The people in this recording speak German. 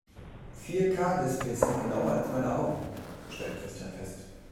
Vier-K-Displays sind genauer als meine Augen, stellt Christian fest.